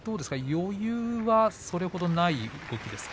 余裕はそれほどない動きですか？